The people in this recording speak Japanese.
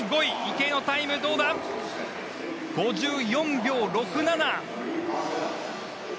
池江のタイムは５４秒６７。